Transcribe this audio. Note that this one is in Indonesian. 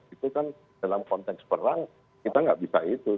itu kan dalam konteks perang kita nggak bisa itu